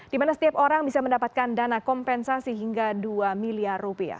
di mana setiap orang bisa mendapatkan dana kompensasi hingga dua miliar rupiah